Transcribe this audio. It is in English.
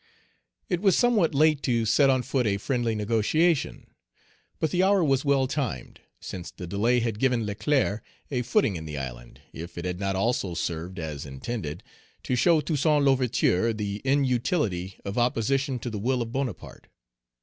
It Page 172 was somewhat late to set on foot a friendly negotiation. But the hour was well timed, since the delay had given Leclerc a footing in the island, if it had not also served, as intended, to show Toussaint L'Ouverture the inutility of opposition to the will of Bonaparte.